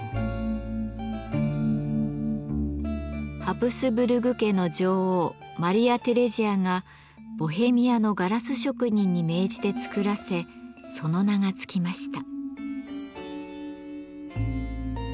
ハプスブルグ家の女王マリア・テレジアがボヘミアのガラス職人に命じて作らせその名が付きました。